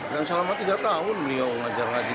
dan selama tiga tahun beliau ngajar ngaji